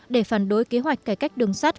để phản đối kế hoạch cải cách đường sắt